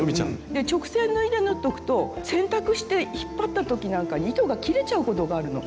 で直線縫いで縫っとくと洗濯して引っ張った時なんかに糸が切れちゃうことがあるの。